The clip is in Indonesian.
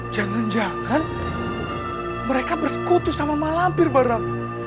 jangan jangan mereka bersekutu sama malampir bareng